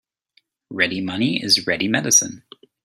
Ready money is ready medicine.